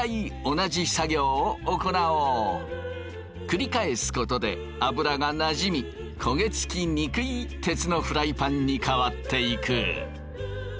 繰り返すことで油がなじみ焦げつきにくい鉄のフライパンに変わっていく。